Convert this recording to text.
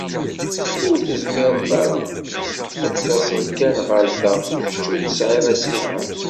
Ur tezmireḍ ad d-taseḍ kan akka ɣer da kečč ur tesεiḍ asiher.